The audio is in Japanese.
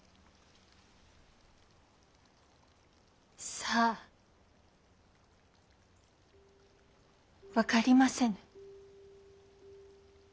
さあ分かりませぬ。